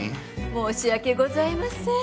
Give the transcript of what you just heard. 申し訳ございません。